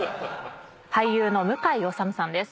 俳優の向井理さんです。